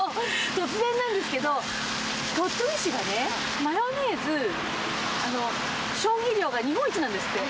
突然なんですけど鳥取市がねマヨネーズ消費量が日本一なんですって。